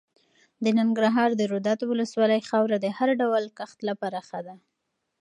د ننګرهار د روداتو ولسوالۍ خاوره د هر ډول کښت لپاره ښه ده.